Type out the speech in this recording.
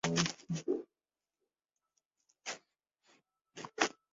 msichana huyo alikuwa na miezi miwili na nusu